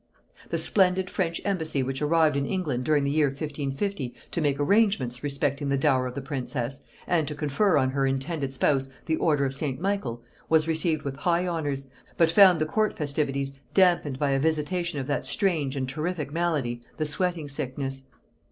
The splendid French embassy which arrived in England during the year 1550 to make arrangements respecting the dower of the princess, and to confer on her intended spouse the order of St. Michael, was received with high honors, but found the court festivities damped by a visitation of that strange and terrific malady the sweating sickness.